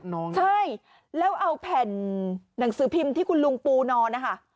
ใช่แล้วเอาแผ่นหนังสือพิมพ์ที่คุณลุงปูนอนนะคะ